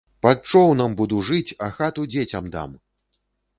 Пад чоўнам буду жыць, а хату дзецям дам!